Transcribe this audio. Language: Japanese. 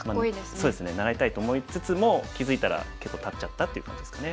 そうですね習いたいと思いつつも気付いたら結構たっちゃったっていう感じですかね。